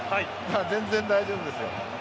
全然大丈夫ですよ。